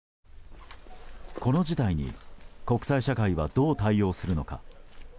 この事態に国際社会はどう対応するのか。